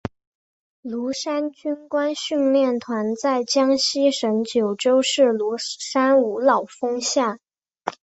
庐山军官训练团在江西省九江市庐山五老峰下。